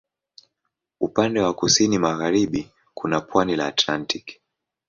Upande wa kusini magharibi kuna pwani la Atlantiki.